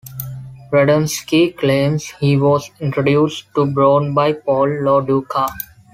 Radomski claims he was introduced to Brown by Paul Lo Duca.